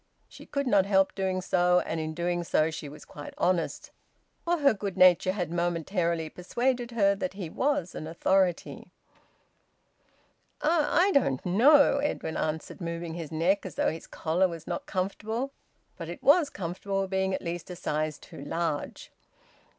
She could not help doing so, and in doing so she was quite honest, for her good nature had momentarily persuaded her that he was an authority. "I I don't know," Edwin answered, moving his neck as though his collar was not comfortable; but it was comfortable, being at least a size too large.